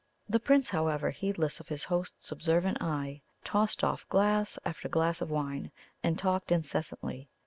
The Prince, however, heedless of his host's observant eye, tossed off glass after glass of wine, and talked incessantly.